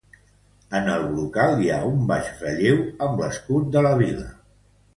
En el brocal hi ha un baix relleu amb l'escut de la vila.